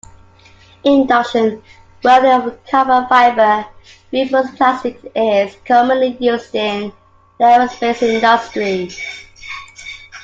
Induction welding of carbon fiber reinforced plastics is commonly used in the aerospace industry.